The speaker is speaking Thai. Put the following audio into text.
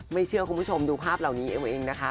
เชื่อคุณผู้ชมดูภาพเหล่านี้เองนะคะ